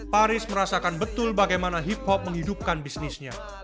paris merasakan betul bagaimana hip hop menghidupkan bisnisnya